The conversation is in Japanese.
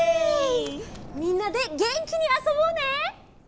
みんなでげんきにあそぼうね！